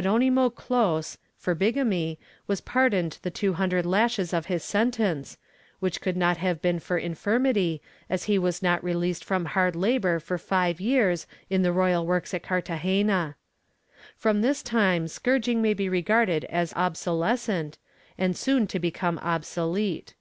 138 HARSHER PENALTIES [Book VII 1769, at Toledo, Geronimo Clos, for bigamy, was pardoned the two hundred lashes of his sentence, which could not have been for infirmity, as he was not released from hard labor for five years in the royal works at Cartagena/ From this time scourging may be regarded as obsolescent and soon to become obsolete.